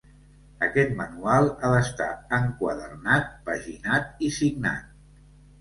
Aquest manual ha d'estar enquadernat, paginat i signat.